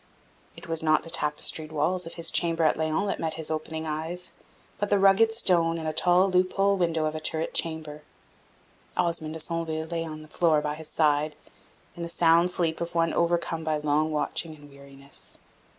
It was not the tapestried walls of his chamber at Laon that met his opening eyes, but the rugged stone and tall loop hole window of a turret chamber. Osmond de Centeville lay on the floor by his side, in the sound sleep of one overcome by long watching and weariness.